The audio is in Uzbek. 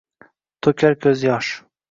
To’kar ko’zyosh